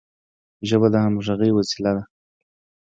ژبه د همږغی وسیله ده.